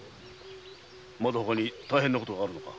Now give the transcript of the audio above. まだほかに大変なことがあるのか？